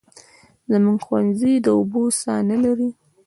زموږ ښوونځی د اوبو څاه نلري